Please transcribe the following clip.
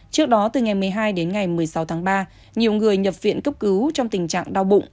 trước đó từ ngày một mươi hai đến ngày một mươi sáu tháng ba nhiều người nhập viện cấp cứu trong tình trạng đau bụng